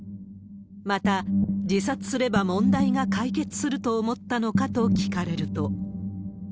また、自殺すれば問題が解決すると思ったのかと聞かれると。